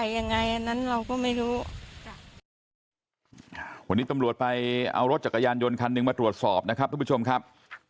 วันนี้ตำรวจไปเอารถจักรยานยนต์คันหนึ่งมาตรวจสอบนะครับทุกผู้ชมครับ